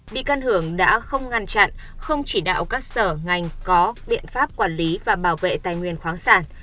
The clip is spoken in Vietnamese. bị can hưởng đã không ngăn chặn không chỉ đạo các sở ngành có biện pháp quản lý và bảo vệ tài nguyên khoáng sản